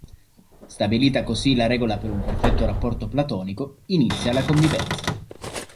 Stabilita così la regola per un perfetto rapporto platonico, inizia la convivenza.